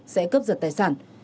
sẽ cướp giật tài sản